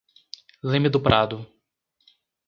Leme do Prado